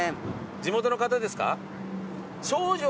地元の方ですか？